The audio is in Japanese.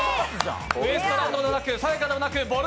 ウエストランドではなく、さや香ではなくぼる